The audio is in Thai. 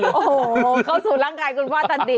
โอ้โหเข้าสู่ร่างกายคุณพ่อทันที